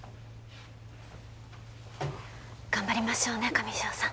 頑張りましょうね上条さん